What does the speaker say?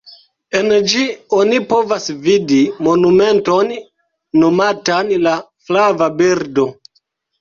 En ĝi, oni povas vidi monumenton nomatan “La flava birdo”.